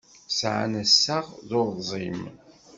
Sɛan assaɣ d urẓim.